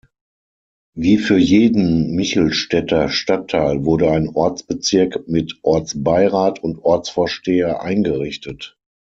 Wie für jeden Michelstädter Stadtteil wurde ein Ortsbezirk mit Ortsbeirat und Ortsvorsteher eingerichtet.